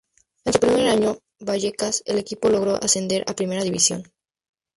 En su primer año en Vallecas, el equipo logró ascender a Primera División.